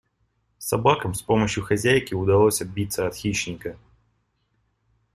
Собакам с помощью хозяйки удалось отбиться от хищника.